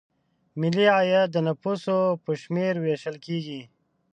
ملي عاید د نفوسو په شمېر ویشل کیږي.